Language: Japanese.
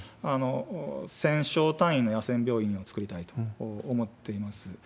１０００床単位の野戦病院を作りたいと思っています。